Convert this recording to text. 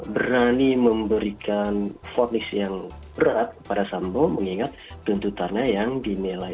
berani memberikan fornis yang berat kepada sambo mengingat tuntutannya yang dinilai